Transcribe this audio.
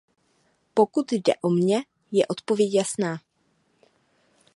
Pokud jde o mě, je odpověď jasná.